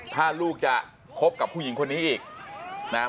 ถ้าลูกจะคบกับผู้หญิงคนนี้อีกนะครับ